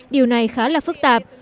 điều này khá là phức tạp